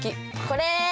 これ！